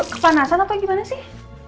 kepanasan apa gimana sih